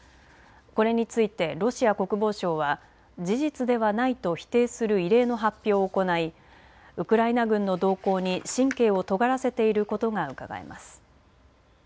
これについてロシア国防省は事実ではないと否定する異例の発表を行いウクライナ軍の動向に神経をとがらせていることがうかがえます。